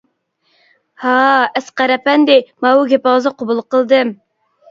ھا. ئەسقەر ئەپەندى، ماۋۇ گېپىڭىزنى قوبۇل قىلدىم.